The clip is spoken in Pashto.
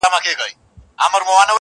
بیا به دی او خپله توره طویله سوه؛